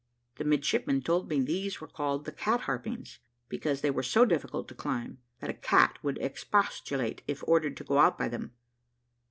The midshipman told me these were called the cat harpings, because they were so difficult to climb, that a cat would expostulate if ordered to go out by them.